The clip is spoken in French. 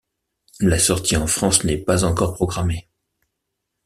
La sortie en France n'est pas encore programmée.